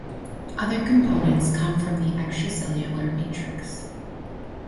Other components come from the extracellular matrix.